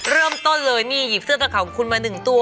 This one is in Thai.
เริ่มต้นเลยนี่หยีบเสื้อตะเหาของคุณมาหนึ่งตัว